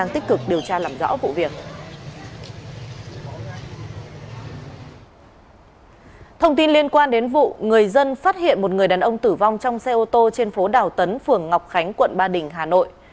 trước vụ người dân phát hiện một người đàn ông tử vong trong xe ô tô trên phố đào tấn phường ngọc khánh quận ba đình hà nội